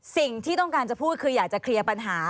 สิ่งที่ต้องการจะพูดคืออยากจะเคลียร์ปัญหา